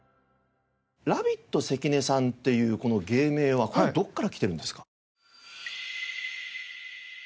ラビット関根さんっていうこの芸名はこれはどこから来てるんですか？